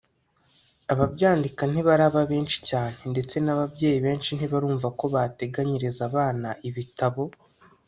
ababyandika ntibaraba benshi cyane ndetse n’ababyeyi benshi ntibarumva ko bateganyiriza abana ibitabo